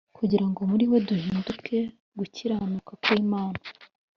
kugira ngo muri we duhinduke gukiranuka kw'Imana